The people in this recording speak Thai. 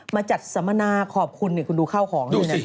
มาจัดสัมมนาขอบคุณคุณดูเข้าของนี่เนี่ย